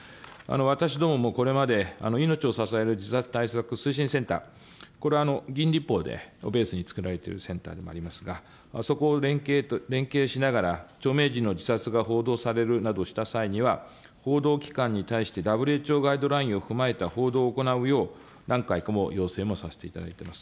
私どもも、これまで命を支える自殺対策推進センター、これは議員立法をベースで作られているセンターでもありますが、そこと連携しながら、著名人の自殺が報道されるなどした際には、報道機関に対して、ＷＨＯガイドラインを踏まえた報道を行うよう、何回も要請もさせていただいております。